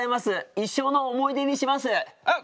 一生の思い出にします。